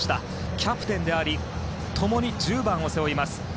キャプテンであり共に１０番を背負います